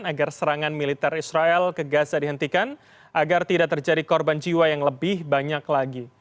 agar serangan militer israel ke gaza dihentikan agar tidak terjadi korban jiwa yang lebih banyak lagi